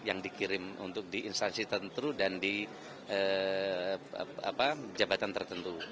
yang dikirim untuk di instansi tertentu dan di jabatan tertentu